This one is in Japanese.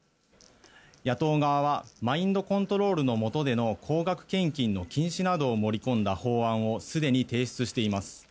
野党側はマインドコントロールのもとでの高額献金の禁止などを盛り込んだ法案をすでに提出しています。